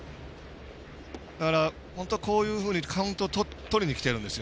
だから本当はこういうふうにカウントとりにきてるんです。